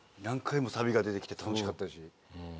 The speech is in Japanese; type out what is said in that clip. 何回もサビが出てきて楽しかったし。